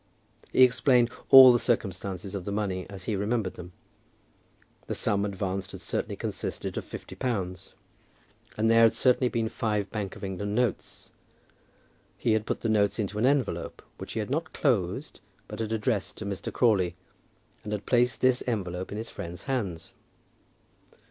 He explained all the circumstances of the money, as he remembered them. The sum advanced had certainly consisted of fifty pounds, and there had certainly been five Bank of England notes. He had put the notes into an envelope, which he had not closed, but had addressed to Mr. Crawley, and had placed this envelope in his friend's hands.